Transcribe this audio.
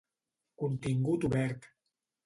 Contingut obert.